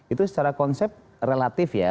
itu secara konsep relatif ya